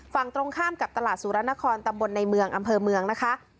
ฝั่งตรงข้ามกับตลาดสุรนครตำบลในเมืองอำเภอเมืองนะคะ